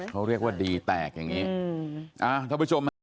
เขาเรียกว่าดีแตกอย่างนี้